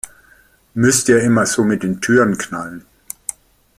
Müsst ihr immer so mit den Türen knallen?